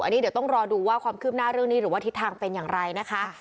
อันนี้เดี๋ยวต้องรอดูว่าความคืบหน้าเรื่องนี้หรือว่าทิศทางเป็นอย่างไรนะคะ